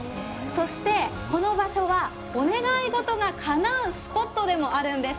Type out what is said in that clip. そしてこの場所はお願い事がかなうスポットでもあるそうです。